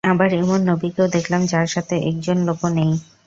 আবার এমন নবীকেও দেখলাম যার সাথে একজন লোকও নেই।